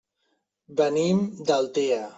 Venim d'Altea.